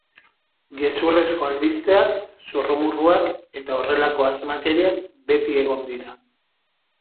Gezurrezko albisteak, zurrumurruak eta horrelako asmakeriak beti egon dira.